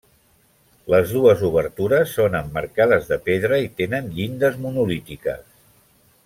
Les dues obertures són emmarcades de pedra i tenen llindes monolítiques.